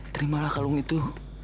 terimalah kalung itu